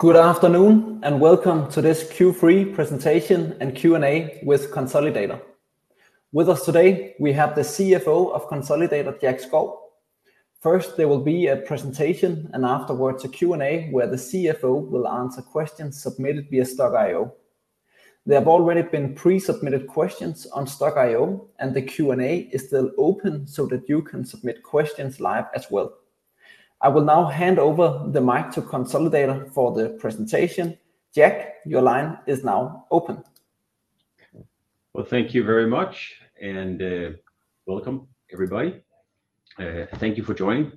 Good afternoon, and welcome to this Q3 presentation and Q&A with Konsolidator. With us today, we have the CFO of Konsolidator, Jack Skov. First, there will be a presentation, and afterwards a Q&A, where the CFO will answer questions submitted via Stokk.io. There have already been pre-submitted questions on Stokk.io, and the Q&A is still open so that you can submit questions live as well. I will now hand over the mic to Konsolidator for the presentation. Jack, your line is now open. Well, thank you very much, and welcome, everybody. Thank you for joining.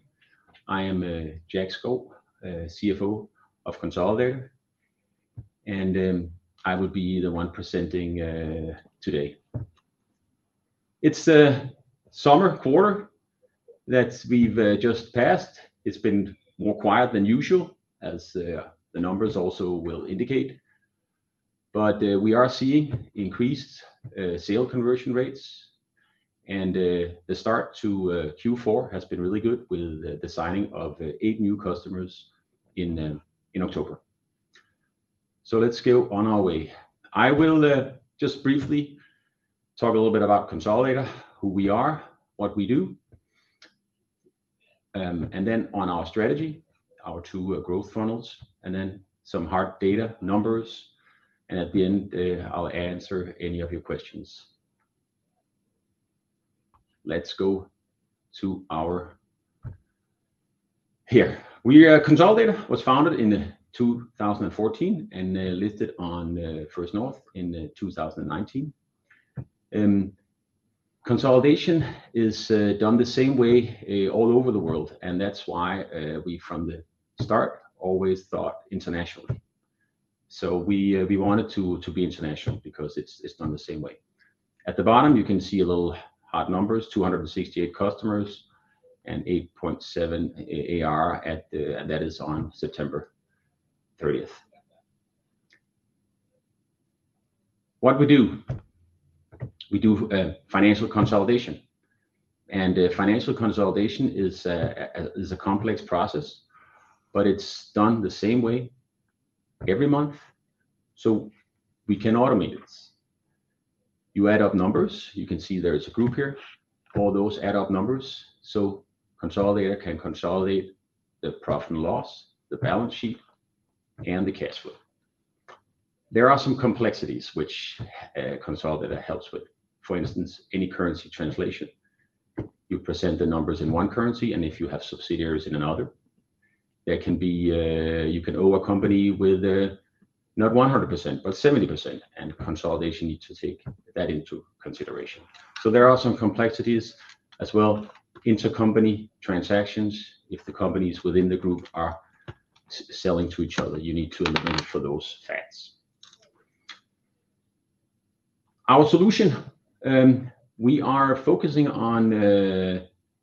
I am Jack Skov, CFO of Konsolidator, and I will be the one presenting today. It's a summer quarter that we've just passed. It's been more quiet than usual, as the numbers also will indicate. But we are seeing increased sale conversion rates, and the start to Q4 has been really good with the signing of eight new customers in October. So let's go on our way. I will just briefly talk a little bit about Konsolidator, who we are, what we do, and then on our strategy, our two growth funnels, and then some hard data numbers, and at the end, I'll answer any of your questions. Let's go to our... Here. We, Konsolidator was founded in 2014 and, listed on the First North in 2019. Consolidation is, done the same way, all over the world, and that's why, we from the start, always thought internationally. So we, we wanted to, to be international because it's, it's done the same way. At the bottom, you can see a little hard numbers, 268 customers and 8.7 AAR at the... That is on September 30th. What we do? We do, financial consolidation. And financial consolidation is, is a complex process, but it's done the same way every month, so we can automate it. You add up numbers. You can see there is a group here. All those add up numbers, so Konsolidator can consolidate the profit and loss, the balance sheet, and the cash flow. There are some complexities which Konsolidator helps with. For instance, any currency translation. You present the numbers in one currency, and if you have subsidiaries in another, there can be you can own a company with not 100%, but 70%, and consolidation need to take that into consideration. So there are some complexities as well, intercompany transactions. If the companies within the group are selling to each other, you need to eliminate for those facts. Our solution, we are focusing on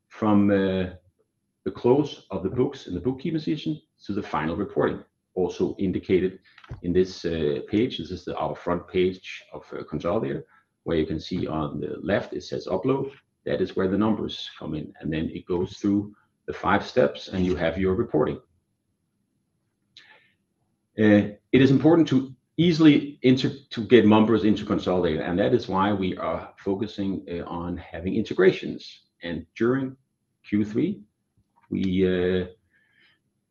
from the close of the books in the bookkeeping station to the final reporting. Also indicated in this page, this is our front page of Konsolidator, where you can see on the left, it says, "Upload." That is where the numbers come in, and then it goes through the five steps, and you have your reporting. It is important to easily to get numbers into Konsolidator, and that is why we are focusing on having integrations. And during Q3, we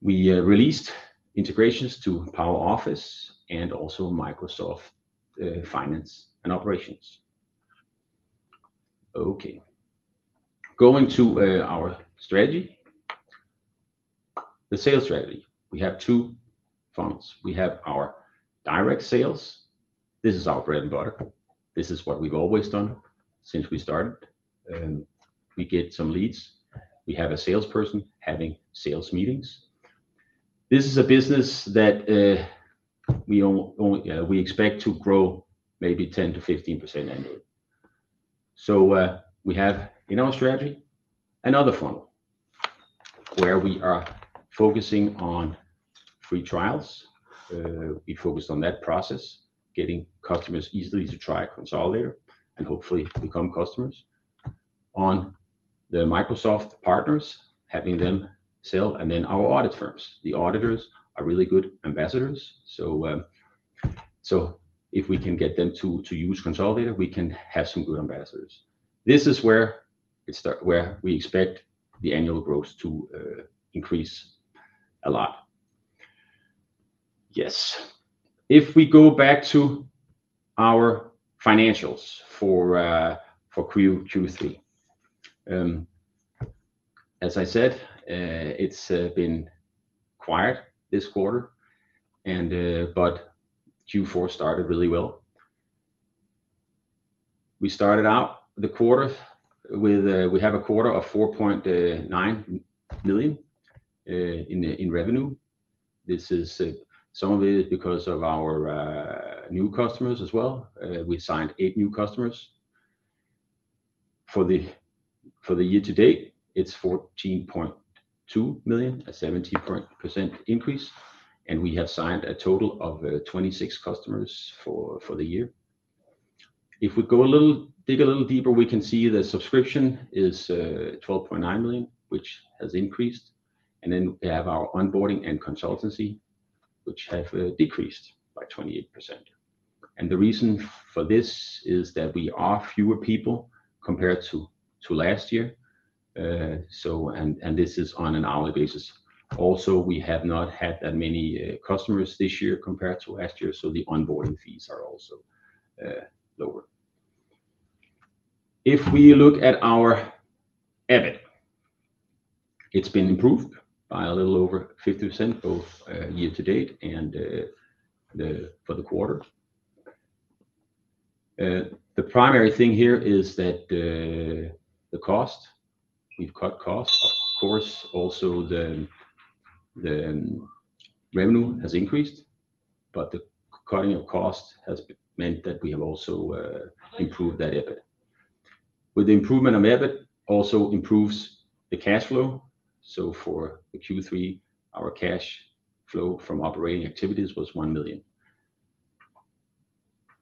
we released integrations to PowerOffice and also Microsoft Finance and Operations. Okay. Going to our strategy. The sales strategy, we have two funnels. We have our direct sales. This is our bread and butter. This is what we've always done since we started, and we get some leads. We have a salesperson having sales meetings. This is a business that we expect to grow maybe 10%-15% annually. So, we have in our strategy, another funnel where we are focusing on free trials. We focused on that process, getting customers easily to try Konsolidator and hopefully become customers. On the Microsoft partners, having them sell, and then our audit firms, the auditors are really good ambassadors. So, so if we can get them to use Konsolidator, we can have some good ambassadors. This is where it start, where we expect the annual growth to increase a lot. Yes. If we go back to our financials for Q3. As I said, it's been quiet this quarter, and but Q4 started really well. We started out the quarter with, we have a quarter of 4.9 million in revenue. This is some of it is because of our new customers as well. We signed eight new customers. For the year to date, it's 14.2 million, a 17% increase, and we have signed a total of 26 customers for the year. If we go a little, dig a little deeper, we can see the subscription is 12.9 million, which has increased, and then we have our onboarding and consultancy, which have decreased by 28%. The reason for this is that we are fewer people compared to last year. So, this is on an hourly basis. Also, we have not had that many customers this year compared to last year, so the onboarding fees are also lower. If we look at our EBIT, it's been improved by a little over 50%, both year to date and for the quarter. The primary thing here is that, the cost, we've cut costs. Of course, also, the revenue has increased, but the cutting of cost has meant that we have also, improved that EBIT. With the improvement of EBIT also improves the cash flow, so for the Q3, our cash flow from operating activities was 1 million.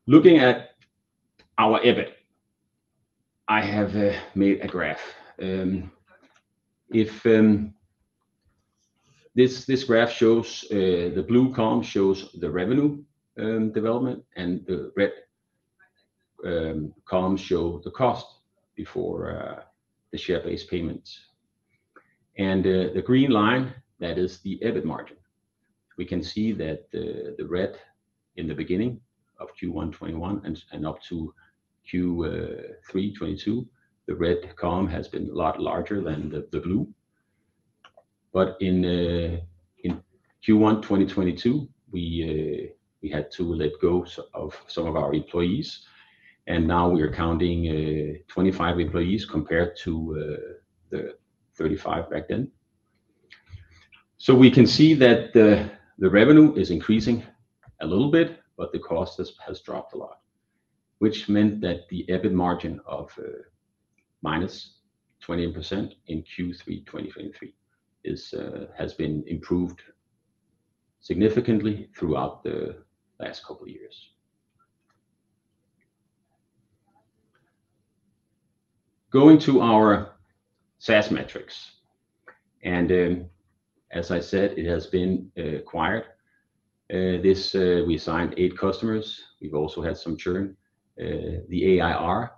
Looking at our EBIT, I have, made a graph. If, this graph shows, the blue column shows the revenue, development, and the red, column show the cost before, the share-based payments. And, the green line, that is the EBIT margin. We can see that the, the red in the beginning of Q1 2021 and, and up to Q3 2022, the red column has been a lot larger than the, the blue. But in Q1 2022, we had to let go of some of our employees, and now we are counting 25 employees compared to the 35 back then. So we can see that the revenue is increasing a little bit, but the cost has dropped a lot, which meant that the EBIT margin of 20%- in Q3 2023 has been improved significantly throughout the last couple of years. Going to our SaaS metrics, and as I said, it has been acquired. This, we assigned 8 customers. We've also had some churn. The ARR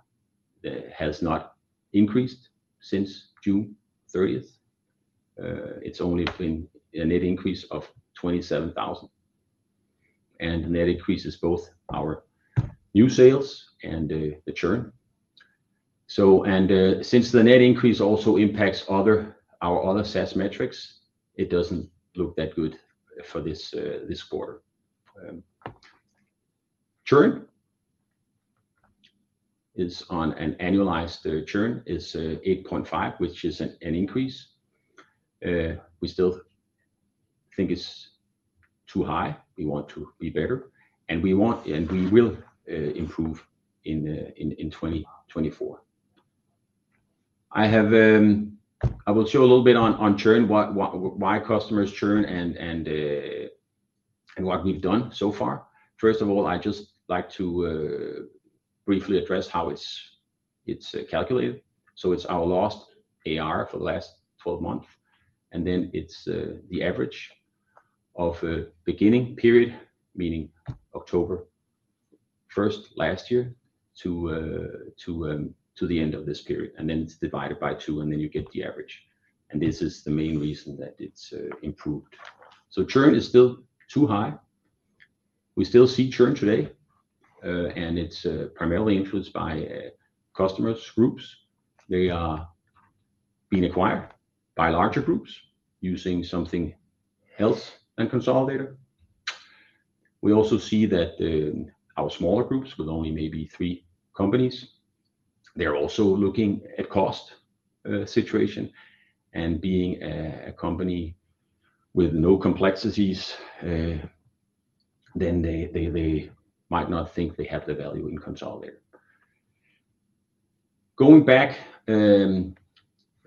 has not increased since June thirtieth. It's only been a net increase of 27,000, and that increases both our new sales and the churn. Since the net increase also impacts our other SaaS metrics, it doesn't look that good for this quarter. Churn is on an annualized, the churn is 8.5%, which is an increase. We still think it's too high. We want to be better, and we want, and we will, improve in 2024. I have... I will show a little bit on churn, why customers churn, and what we've done so far. First of all, I'd just like to briefly address how it's calculated. So it's our lost AR for the last twelve months, and then it's the average of a beginning period, meaning October first last year, to the end of this period, and then it's divided by two, and then you get the average, and this is the main reason that it's improved. So churn is still too high. We still see churn today, and it's primarily influenced by customers groups. They are being acquired by larger groups using something else than Konsolidator. We also see that our smaller groups with only maybe three companies, they're also looking at cost situation, and being a company with no complexities, then they might not think they have the value in Konsolidator. Going back,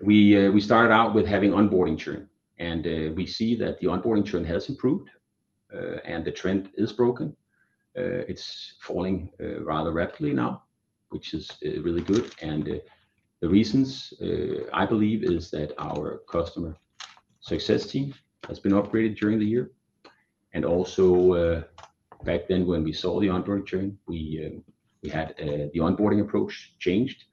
we started out with having onboarding churn, and we see that the onboarding churn has improved, and the trend is broken. It's falling rather rapidly now, which is really good. And the reasons, I believe, is that our customer success team has been upgraded during the year, and also, back then, when we saw the onboarding churn, we had the onboarding approach changed.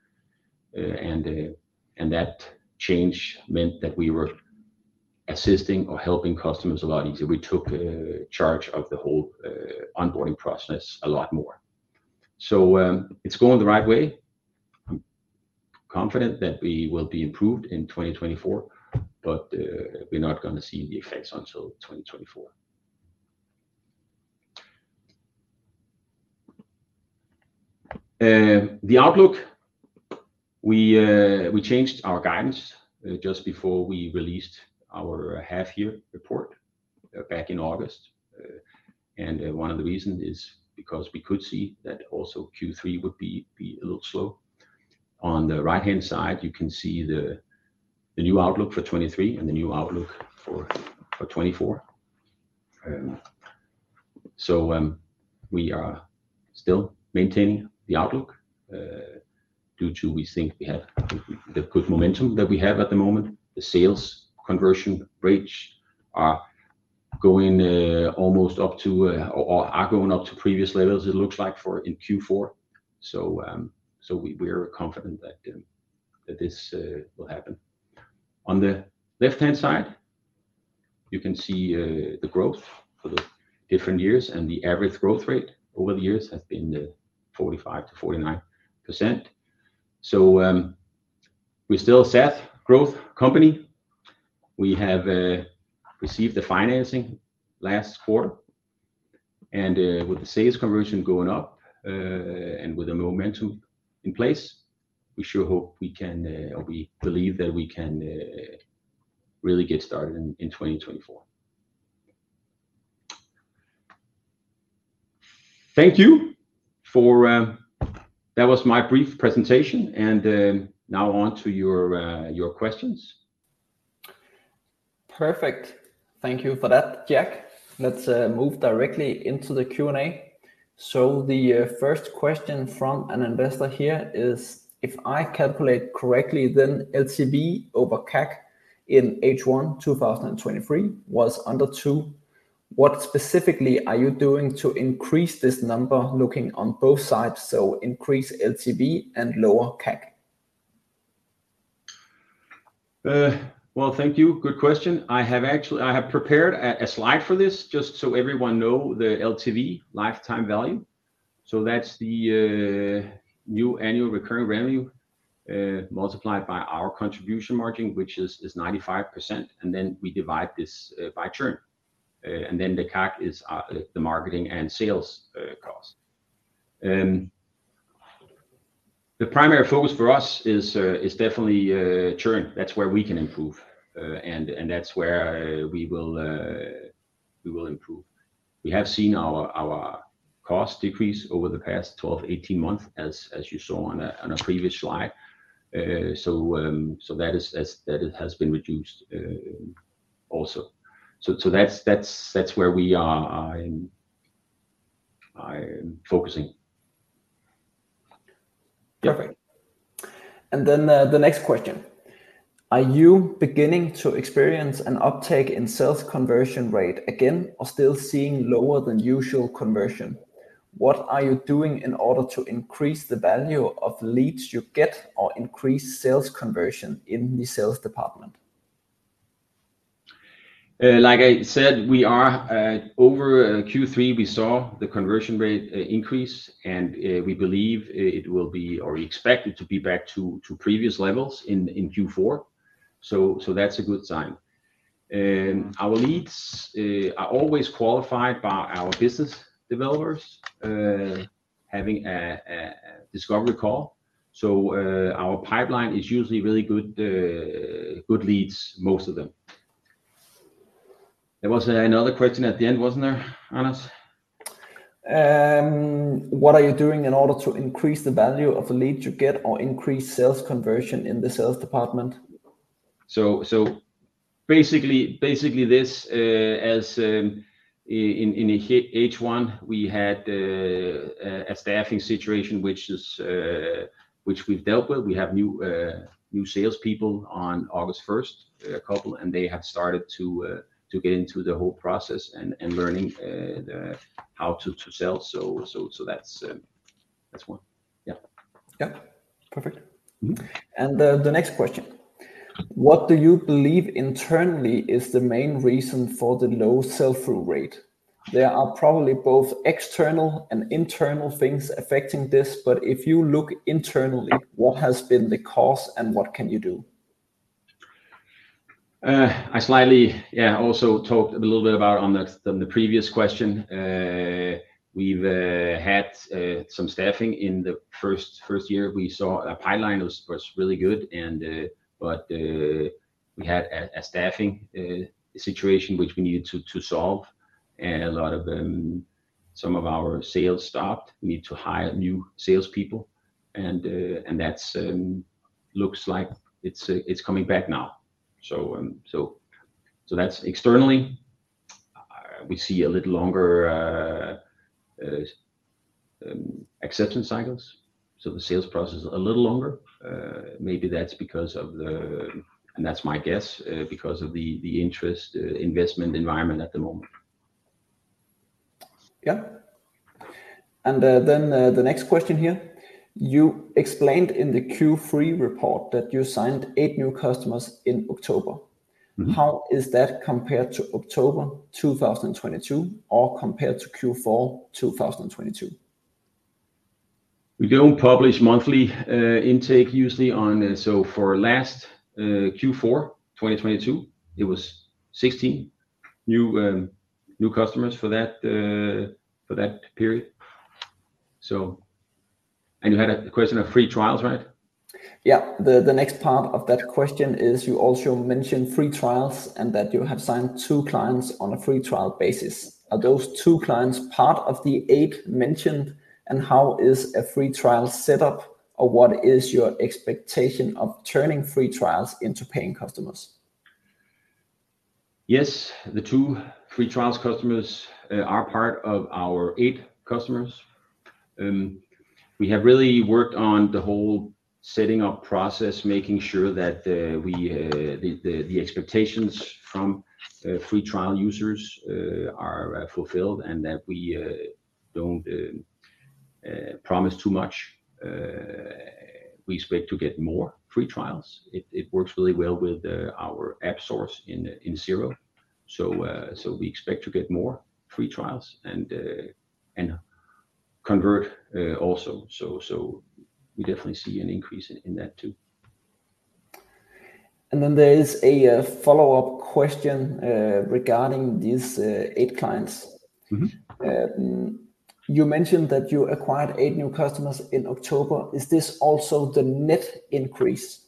And that change meant that we were assisting or helping customers a lot easier. We took charge of the whole onboarding process a lot more. So, it's going the right way. I'm confident that we will be improved in 2024, but, we're not gonna see the effects until 2024. The outlook, we changed our guidance just before we released our half-year report back in August. And one of the reasons is because we could see that also Q3 would be a little slow. On the right-hand side, you can see the new outlook for 2023 and the new outlook for 2024. So, we are still maintaining the outlook, due to we think we have the good momentum that we have at the moment. The sales conversion rates are going almost up to or are going up to previous levels, it looks like for in Q4. So we, we're confident that this will happen. On the left-hand side, you can see the growth for the different years, and the average growth rate over the years has been 45%-49%. So, we're still a SaaS growth company. We have received the financing last quarter, and with the sales conversion going up and with the momentum in place, we sure hope we can, or we believe that we can, really get started in 2024. Thank you for... That was my brief presentation, and now on to your questions. Perfect. Thank you for that, Jack. Let's move directly into the Q&A. So the first question from an investor here is, if I calculate correctly, then LTV over CAC in H1 2023 was under two. What specifically are you doing to increase this number, looking on both sides, so increase LTV and lower CAC? Well, thank you. Good question. I have actually prepared a slide for this, just so everyone know the LTV, lifetime value. So that's the new annual recurring revenue multiplied by our contribution margin, which is 95%, and then we divide this by churn. And then the CAC is the marketing and sales cost. The primary focus for us is definitely churn. That's where we can improve. And that's where we will improve. We have seen our costs decrease over the past 12 months-18 months, as you saw on a previous slide. So that is, as that it has been reduced, also. So that's where we are focusing. Perfect. And then, the next question: Are you beginning to experience an uptake in sales conversion rate again, or still seeing lower than usual conversion? What are you doing in order to increase the value of the leads you get or increase sales conversion in the sales department? Like I said, we are over Q3, we saw the conversion rate increase, and we believe it will be, or we expect it to be back to previous levels in Q4. So that's a good sign. And our leads are always qualified by our business developers having a discovery call. So our pipeline is usually really good, good leads, most of them. There was another question at the end, wasn't there, Anders? What are you doing in order to increase the value of the leads you get or increase sales conversion in the sales department? So basically, this, as in H1, we had a staffing situation, which we've dealt with. We have new salespeople on August first, a couple, and they have started to get into the whole process and learning how to sell. So that's one. Yeah. Yeah. Perfect. Mm-hmm. And the next question: What do you believe internally is the main reason for the low sell-through rate? There are probably both external and internal things affecting this, but if you look internally, what has been the cause and what can you do? I slightly, yeah, also talked a little bit about on the, on the previous question. We've had some staffing in the first, first year. We saw our pipeline was, was really good and, but, we had a, a staffing, situation which we needed to, to solve, and a lot of, some of our sales stopped. We need to hire new salespeople, and, and that's, looks like it's, it's coming back now. So, so, so that's externally, we see a little longer, acceptance cycles, so the sales process is a little longer. Maybe that's because of the... And that's my guess, because of the, the interest, investment environment at the moment. Yeah. And, then, the next question here: You explained in the Q3 report that you signed 8 new customers in October. Mm-hmm. How is that compared to October 2022, or compared to Q4 2022? We don't publish monthly intake usually on... So for last Q4 2022, it was 16 new customers for that period. So... And you had a question of free trials, right? Yeah. The, the next part of that question is, you also mentioned free trials and that you have signed two clients on a free trial basis. Are those two clients part of the eight mentioned, and how is a free trial set up?... or what is your expectation of turning free trials into paying customers? Yes, the two free trial customers are part of our eight customers. We have really worked on the whole setting up process, making sure that the expectations from free trial users are fulfilled, and that we don't promise too much. We expect to get more free trials. It works really well with our AppSource in Xero. So we expect to get more free trials and convert also. So we definitely see an increase in that too. There is a follow-up question regarding these eight clients. Mm-hmm. You mentioned that you acquired eight new customers in October. Is this also the net increase?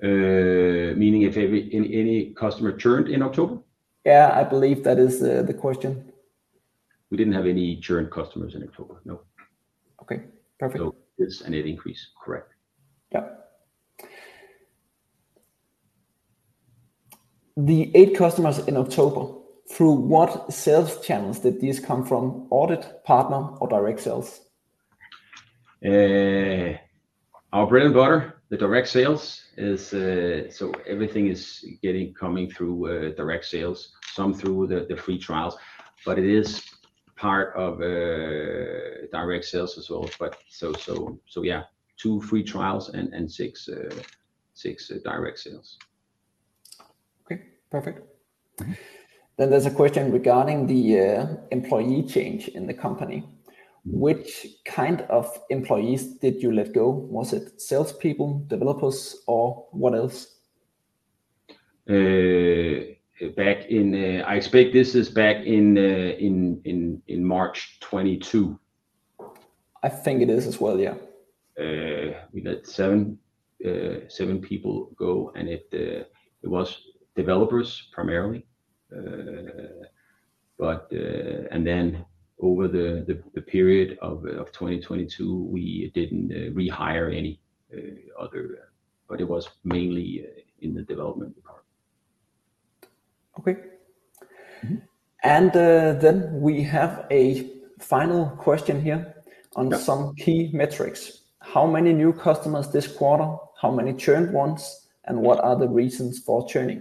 Meaning if every, any customer churned in October? Yeah, I believe that is the question. We didn't have any churned customers in October, no. Okay, perfect. So it's a net increase. Correct. Yeah. The eight customers in October, through what sales channels did these come from? Audit, partner, or direct sales? Our bread and butter, the direct sales, is so everything is coming through direct sales, some through the free trials, but it is part of direct sales as well. But so yeah, two free trials and six direct sales. Okay, perfect. Then there's a question regarding the employee change in the company. Mm-hmm. Which kind of employees did you let go? Was it salespeople, developers, or what else? Back in, I expect this is back in March 2022. I think it is as well, yeah. We let seven people go, and it was developers primarily. And then over the period of 2022, we didn't rehire any other... But it was mainly in the development department. Okay. Mm-hmm. Then we have a final question here. Yeah... on some key metrics. How many new customers this quarter? How many churned ones, and what are the reasons for churning?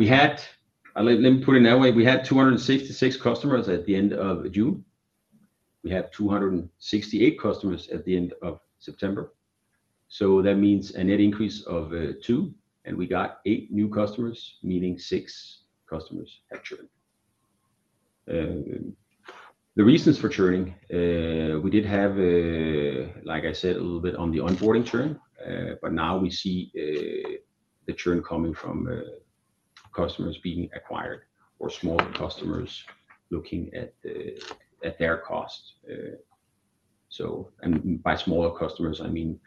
We had, let me put it that way, we had 266 customers at the end of June. We had 268 customers at the end of September, so that means a net increase of two, and we got eight new customers, meaning six customers have churned. The reasons for churning, like I said, a little bit on the onboarding churn, but now we see the churn coming from customers being acquired or smaller customers looking at their cost. By smaller customers, I mean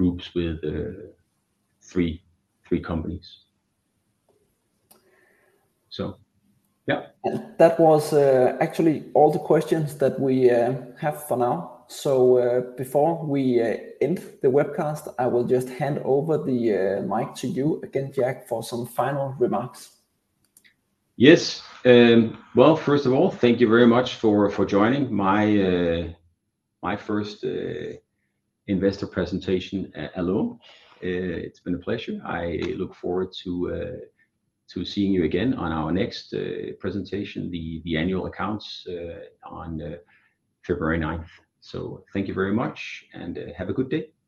groups with three companies. Yeah. That was actually all the questions that we have for now. So, before we end the webcast, I will just hand over the mic to you again, Jack, for some final remarks. Yes. Well, first of all, thank you very much for joining my first investor presentation alone. It's been a pleasure. I look forward to seeing you again on our next presentation, the annual accounts, on February ninth. So thank you very much, and have a good day.